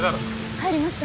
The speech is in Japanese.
入りました！